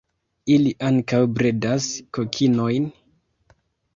Ili ankaŭ bredas kokinojn.